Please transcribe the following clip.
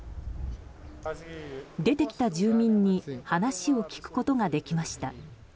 出てきた住民に話を聞くことができました。